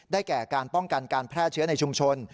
แก่การป้องกันการแพร่เชื้อในชุมชน